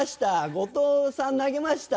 後藤さん投げました。